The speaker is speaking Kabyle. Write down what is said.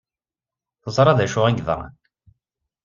Teẓra d acu ay yeḍran.